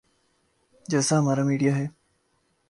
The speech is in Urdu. جیسا ہمارا میڈیا ہے۔